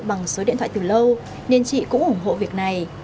bằng số điện thoại từ lâu nên chị cũng ủng hộ việc này